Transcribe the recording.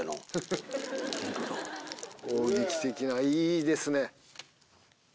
攻撃的ないいですね。